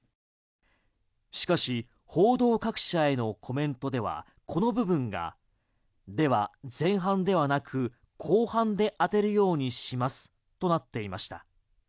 しかし報道各社へのコメントではこの部分がでは、前半ではなく後半で当てるようにしますとなっていました。